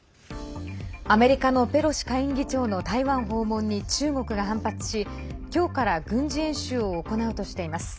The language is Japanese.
アメリカのペロシ下院議長の台湾訪問に中国が反発し今日から軍事演習を行うとしています。